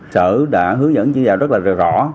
sở đã hướng dẫn chỉ đạo rất là rõ